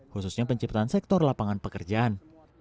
khususnya penciptaan sektor lapangan pekerjaan